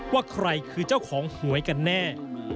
ว่าใครคือเจ้าของหวยกันแน่